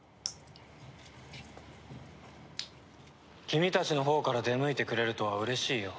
君たちのほうから出向いてくれるとは嬉しいよ。